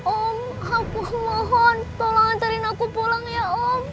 om aku mohon tolong antarin aku pulang ya om